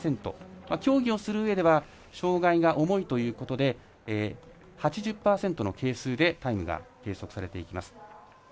競技をするうえでは障がいが重いということで８０％の係数でタイムが計測されていきます。